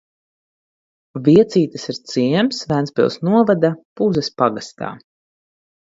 Viecītes ir ciems Ventspils novada Puzes pagastā.